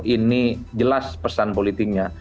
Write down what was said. ini jelas pesan politiknya